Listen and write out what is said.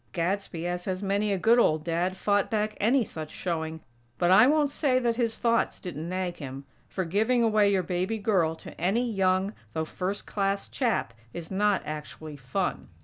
Gadsby, as has many a good old Dad, fought back any such showing; but I won't say that his thoughts didn't nag him; for, giving away your baby girl to any young, though first class chap, is not actually fun.